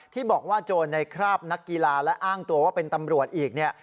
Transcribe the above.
ที่บอกว่าโจรในคราบนักกีฬาและอ้างตัวว่าเป็นตำรวจอีกเนี่ย